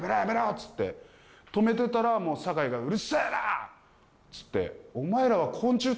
っつって止めてたら坂井が「うるせえな！」っつって。